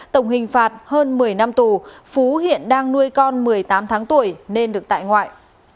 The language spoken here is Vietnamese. tổng hình phạt hơn một mươi năm tù phú hiện đang nuôi con một mươi tám tháng tuổi nên được tại ngoại